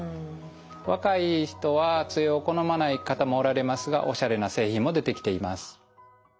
若い人はつえを好まない方もおられますがおしゃれな製品も出てきています。